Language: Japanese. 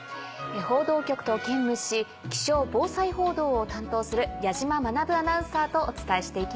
報道局と兼務し気象・防災報道を担当する矢島学アナウンサーとお伝えしていきます。